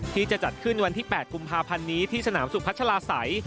ที่จะจัดขึ้นวันที่๘กุมภาพันธ์นี้ที่สนามสุพัชลาศัย